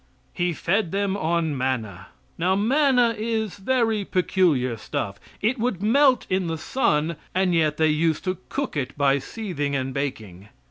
He fed them on manna. Now manna is very peculiar stuff. It would melt in the sun, and yet they used to cook it by seething and baking.